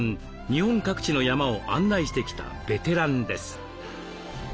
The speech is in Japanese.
日本各地の山を案内してきたベテランです。